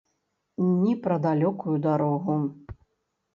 Ні пра далёкую дарогу.